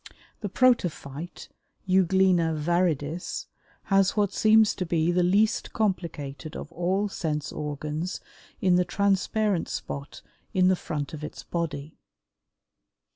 The protophyte, Euglena varidis, has what seems to be the least complicated of all sense organs in the transparent spot in the front of its body.